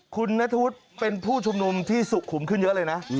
คุณนัทธวุฒิเป็นผู้ชุมนุมที่สุขุมขึ้นเยอะเลยนะ